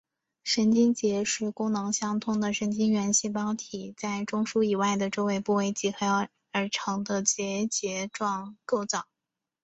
神经节是功能相同的神经元细胞体在中枢以外的周围部位集合而成的结节状构造。